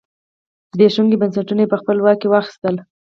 زبېښونکي بنسټونه یې په خپل واک کې واخیستل.